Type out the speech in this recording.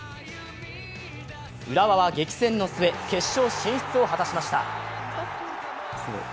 浦和は激戦の末決勝進出を果たしました。